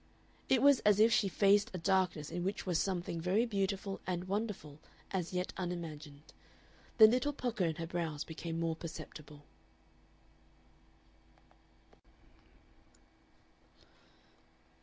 It was as if she faced a darkness in which was something very beautiful and wonderful as yet unimagined. The little pucker in her brows became more perceptible.